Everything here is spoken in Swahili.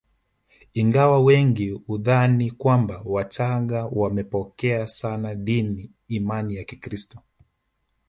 Ingawa wengi hudhani kwamba wachaga wamepokea sana dini imani ya Ukristo